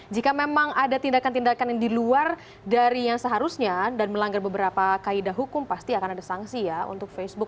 jika memang ada tindakan tindakan yang di luar dari yang seharusnya dan melanggar beberapa kaedah hukum pasti akan ada sanksi ya untuk facebook